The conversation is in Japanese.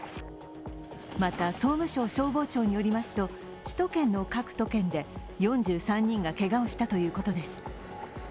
また、総務省消防庁によりますと、首都圏の各都県で４３人がけがをしたということです。